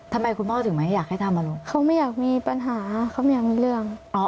ทำไมคุณพ่อถึงไม่อยากให้ทำอารมณ์เขาไม่อยากมีปัญหาเขาไม่อยากมีเรื่อง